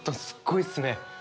すっごいっすね。